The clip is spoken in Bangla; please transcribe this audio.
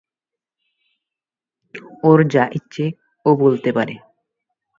ওর যা ইচ্ছে ও বলতে পারে।